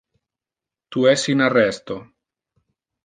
Tu es in arresto.